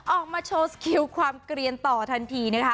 ออกมาโชว์สกิลความเกลียนต่อทันทีนะคะ